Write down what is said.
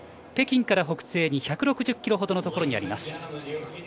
北京から北西に１６０ｋｍほどのところにあります。